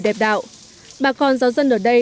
đẹp đạo bà con giáo dân ở đây